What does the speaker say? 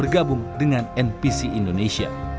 gabung dengan npc indonesia